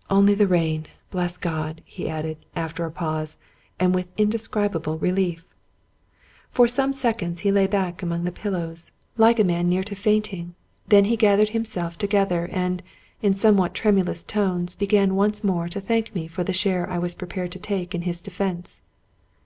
" Only the rain, bless God !" he added, after a pause, and with indescribable relief. For some seconds he lay back among the pillows like 192 Robert Louis Stevenson a man near to fainting; then he gathered himself to gether, and, in somewhat tremulous tones, began once more to thank me for the share I was prepared to take in his defense.